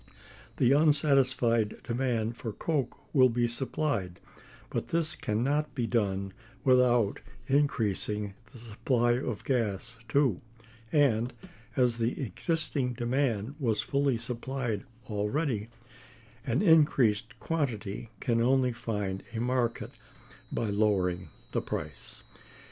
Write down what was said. The unsatisfied demand for coke will be supplied; but this can not be done without increasing the supply of gas too; and, as the existing demand was fully supplied already, an increased quantity can only find a market by lowering the price.